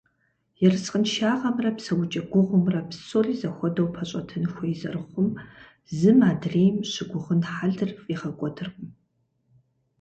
Ерыскъыншагъэмрэ псэукӏэ гугъумрэ псори зэхуэдэу пэщӏэтын хуей зэрыхъум зым адрейм щыгугъын хьэлыр фӏигъэкӏуэдыркъым.